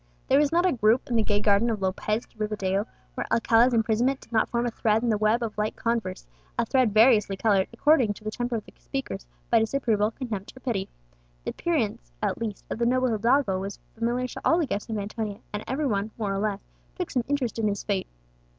There was not a group in the gay garden of Lopez de Rivadeo where Alcala's imprisonment did not form a thread in the web of light converse, a thread variously coloured, according to the temper of the speakers, by disapproval, contempt, or pity. The appearance, at least, of the noble hidalgo was familiar to all the guests of Antonia, and every one, more or less, took some interest in his fate.